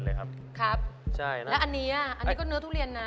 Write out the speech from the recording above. แล้วอันนี้อันนี้ก็เนื้อทุเรียนนะ